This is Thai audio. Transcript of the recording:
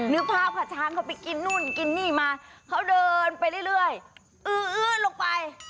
นึกภาพค่ะช้างเขาไปกินนู่นกินนี่มาเขาเดินไปเรื่อยอื้อลงไป